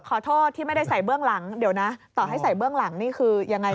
ขอโทษที่ไม่ได้ใส่เบื้องหลังเดี๋ยวนะต่อให้ใส่เบื้องหลังนี่คือยังไง